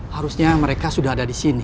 harusnya mereka sudah ada di sini